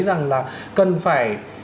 rằng là cần phải